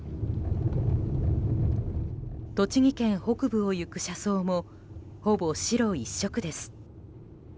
栃木県北部を行く車窓もほぼ、白一色です。